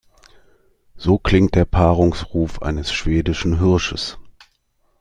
So klingt der Paarungsruf eines schwedischen Hirsches.